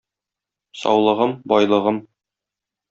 Саулыгым - байлыгым.